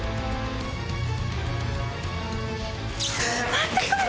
待ってこれ。